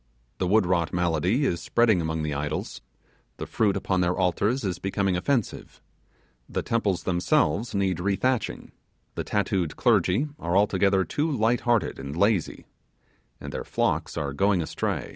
The wood rot malady is spreading among the idols the fruit upon their altars is becoming offensive the temples themselves need rethatching the tattooed clergy are altogether too light hearted and lazy and their flocks are going astray.